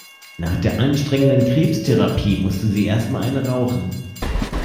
Nach der anstrengenden Krebstherapie musste sie erst mal eine rauchen.